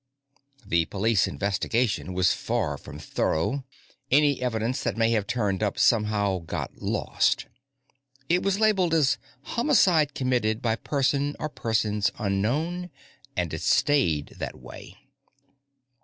The police investigation was far from thorough; any evidence that may have turned up somehow got lost. It was labelled as "homicide committed by person or persons unknown," and it stayed that way.